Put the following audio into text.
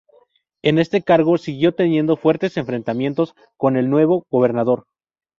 En este cargo siguió teniendo fuertes enfrentamientos con el nuevo gobernador.